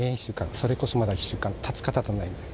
それこそまだ１週間たつかたたないか。